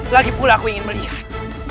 lagipula aku ingin melihat